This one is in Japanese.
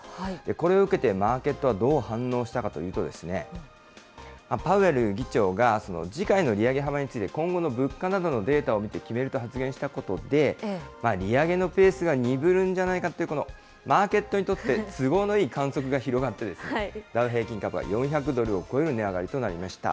これを受けてマーケットはどう反応したかというと、パウエル議長が、次回の利上げ幅について、今後の物価などのデータを見て決めると発言したことで、利上げのペースが鈍るんじゃないかという、このマーケットにとって、都合のいい観測が広がって、ダウ平均株価は４００ドルを超える値上がりとなりました。